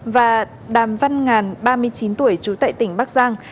và đàm văn ngàn ba mươi chín tuổi trú tại tỉnh bắc giang